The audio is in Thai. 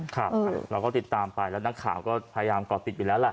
เราก็ติดตามไปแล้วนักข่าวก็พยายามก่อติดอยู่แล้วล่ะ